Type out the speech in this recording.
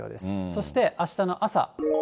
そして、あしたの朝。